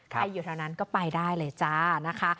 ใครอยู่เท่านั้นก็ไปได้เลยจ้านะคะ